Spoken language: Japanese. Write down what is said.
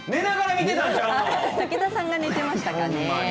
武田さんが寝てましたかね？